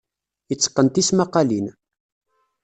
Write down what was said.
Yetteqqen tismaqqalin.